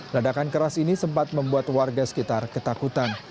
ledakan keras ini sempat membuat warga sekitar ketakutan